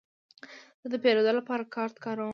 زه د پیرود لپاره کارت کاروم.